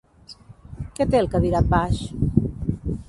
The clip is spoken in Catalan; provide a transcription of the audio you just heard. Què té el cadirat baix?